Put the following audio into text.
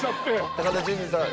高田純次さん